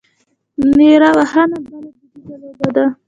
نیره وهنه بله دودیزه لوبه ده.